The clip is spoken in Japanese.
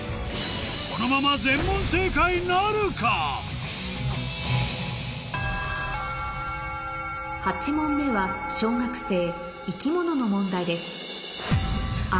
このまま８問目は小学生の問題です